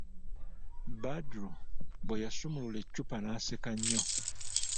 Badru bwe yasumulula eccupa n'asseka nnyo.